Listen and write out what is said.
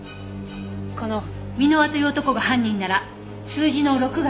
この箕輪という男が犯人なら数字の６が示す